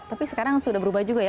tapi sekarang sudah berubah juga ya